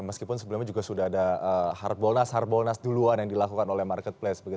meskipun sebelumnya juga sudah ada hard bolnas hard bolnas duluan yang dilakukan oleh marketplace